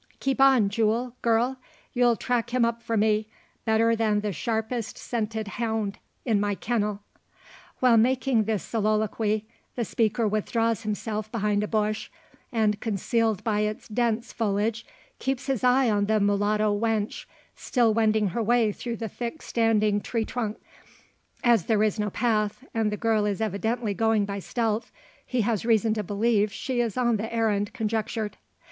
Keep on, Jule, girl! You'll track him up for me, better than the sharpest scented hound in my kennel." While making this soliloquy, the speaker withdraws himself behind a bush; and, concealed by its dense foliage, keeps his eye on the mulatto wench, still wending her way through the thick standing tree trunks. As there is no path, and the girl is evidently going by stealth, he has reason to believe she is on the errand conjectured.